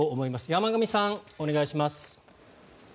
山上さん、お願いします。